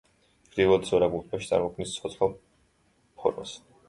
ჩრდილოეთის ორაგული ტბებში წარმოქმნის ცოცხალ ფორმას.